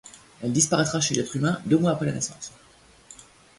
Elle disparaitra chez l'être humain, deux mois après la naissance.